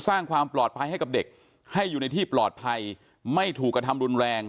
สร้างความปลอดภัยให้กับเด็กให้อยู่ในที่ปลอดภัยไม่ถูกกระทำรุนแรง